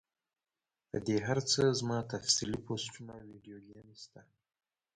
پۀ دې هر څۀ زما تفصیلي پوسټونه او ويډيوګانې شته